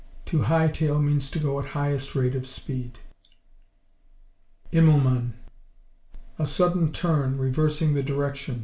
To high tail means to go at highest rate of speed. Immelmann A sudden turn, reversing the direction.